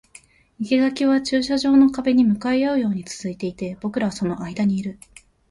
生垣は駐車場の壁に向かい合うように続いていて、僕らはその間にいる